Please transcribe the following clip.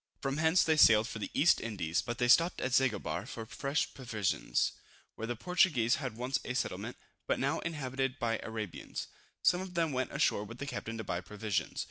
From hence they sailed for the East Indies, but stopped at Zanguebar for fresh provisions, where the Portuguese had once a settlement, but now inhabited by Arabians. Some of them went ashore with the captain to buy provisions.